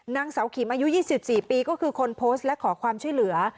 นางสาวขิมอายุ๒๔ปีก็คือคนโพสต์และขอความช่วยเหลือ